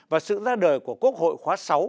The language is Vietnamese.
và sự ra đời của quốc hội khóa sáu